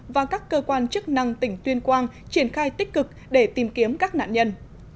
và các cơ quan chức năng tỉnh tuyên quang triển khai tích cực để tìm kiếm các nạn nhân